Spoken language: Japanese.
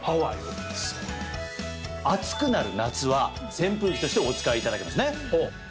暑くなる夏は扇風機としてお使いいただけますね。